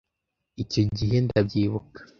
icyo gihe ndabyibuka